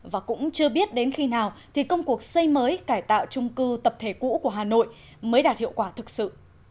và cũng chưa biết đến khi nào thì công cuộc xây mới cải tạo trung cư tập thể cũ của hà nội mới đạt hiệu quả thực sự